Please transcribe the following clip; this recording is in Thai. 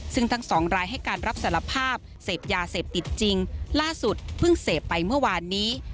ซึ่งทั้งสองรายให้การรับสารภาพเสพยาเสพติดจริงล่าสุดเพิ่งเสพไปเมื่อวานนี้